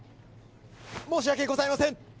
申し訳ございません！